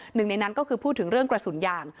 หนึ่งในนั้นก็คือพูดถึงเรื่องกระสุนยาง